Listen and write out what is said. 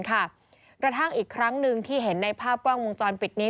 กระทั่งอีกครั้งหนึ่งที่เห็นในภาพกล้องวงจรปิดนี้